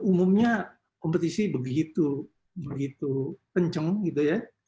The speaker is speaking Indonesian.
umumnya kompetisi begitu kenceng gitu ya